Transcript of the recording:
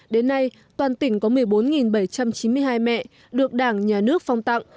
đến nay toàn tỉnh có một mươi bốn bảy trăm chín mươi hai mẹ được đảng nhà nước phong tặng